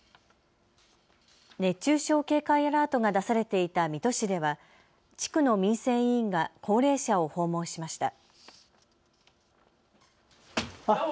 熱中症警戒アラートが出されていた水戸市では地区の民生委員が高齢者を訪問しました。